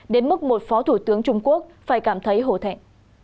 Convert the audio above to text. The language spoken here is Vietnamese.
đến mức một phó thủ tướng trung quốc phải cảm thấy hồ thẹn